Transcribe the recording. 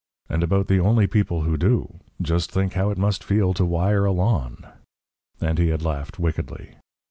"And about the only people who do. Just think how it must feel to wire a lawn!" And he had laughed wickedly.